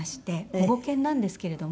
保護犬なんですけれども。